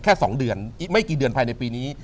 แค่สองเดือนไม่กี่เดือนภายในปีนี้